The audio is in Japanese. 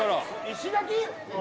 石垣！？